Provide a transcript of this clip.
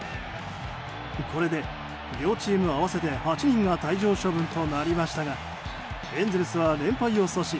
これで両チーム合わせて８人が退場処分となりましたがエンゼルスは連敗を阻止。